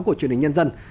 của truyền hình nhân dân